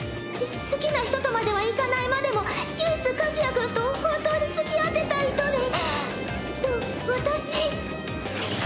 好きな人とまではいかないまでも唯一和也君と本当につきあってた人で。